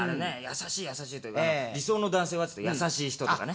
優しい優しいといえば理想の男性は優しい人とかね。